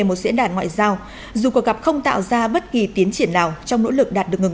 một diễn đàn ngoại giao dù cuộc gặp không tạo ra bất kỳ tiến triển nào trong nỗ lực đạt được ngừng